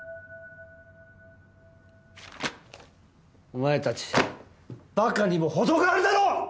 お前たち馬鹿にも程があるだろ！